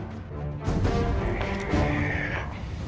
jangan sakiti bella